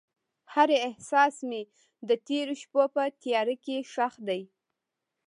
هر احساس مې د تیرو شپو په تیاره کې ښخ دی.